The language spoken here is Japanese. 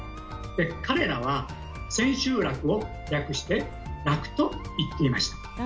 彼らは「千秋楽」を略して「楽」と言っていました。